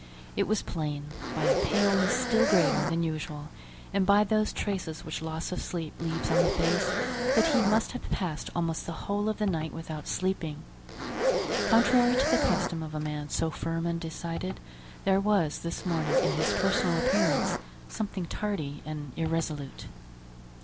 It was plain, by a paleness still greater than usual, and by those traces which loss of sleep leaves on the face, that he must have passed almost the whole of the night without sleeping. Contrary to the custom of a man so firm and decided, there was this morning in his personal appearance something tardy and irresolute.